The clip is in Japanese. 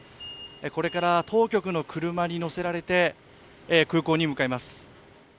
これから当局の車に乗せられて、空港に向かいます。